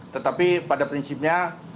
tetapi pada prinsipnya